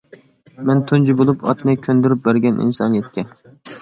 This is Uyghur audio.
مەن تۇنجى بولۇپ ئاتنى كۆندۈرۈپ بەرگەن ئىنسانىيەتكە.